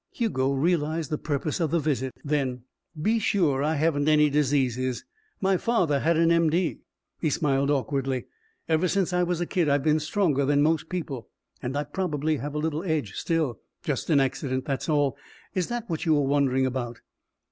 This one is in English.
Hugo realized the purpose of the visit. "Then be sure I haven't any diseases. My father had an M.D." He smiled awkwardly. "Ever since I was a kid, I've been stronger than most people. And I probably have a little edge still. Just an accident, that's all. Is that what you were wondering about?"